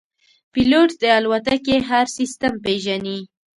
پیلوټ د الوتکې هر سیستم پېژني.